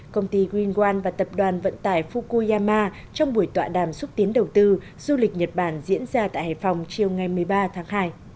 công ty greenwan và tập đoàn vận tải fukuyama trong buổi tọa đàm xúc tiến đầu tư du lịch nhật bản diễn ra tại hải phòng chiều ngày một mươi ba tháng hai